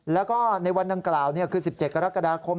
แล้วก็ในวันดังกล่าวคือ๑๗กรกฎาคม